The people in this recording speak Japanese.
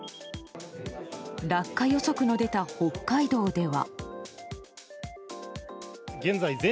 落下予測の出た北海道では。